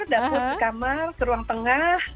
datang ke kamar ke ruang tengah